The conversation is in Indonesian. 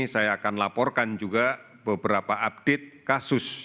saya akan laporkan juga beberapa update kasus